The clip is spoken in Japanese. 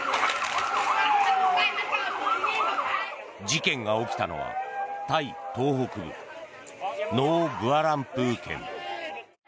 事件が起きたのはタイ東北部ノーンブアランプー県。